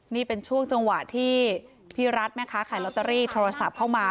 นี่เป็นช่วงจังหวะที่พี่รัฐแม่ค้าขายลอตเตอรี่โทรศัพท์เข้ามา